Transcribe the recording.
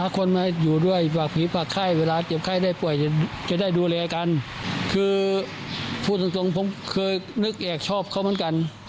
ออกไปถ้ามีใครมาแนะนำผู้หญิงให้อีก